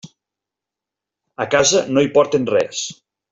A casa no hi porten res.